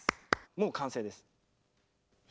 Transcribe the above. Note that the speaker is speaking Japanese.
もう完成です。